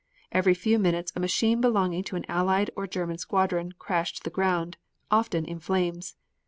Every few minutes a machine belonging to an Allied or German squadron crashed to the ground, often in flames.